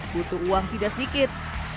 butuh uang tidak sedikit